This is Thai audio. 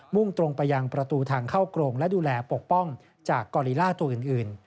่งตรงไปยังประตูทางเข้ากรงและดูแลปกป้องจากกอลิล่าตัวอื่น